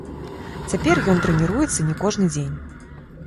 Цяпер ён трэніруецца не кожны дзень.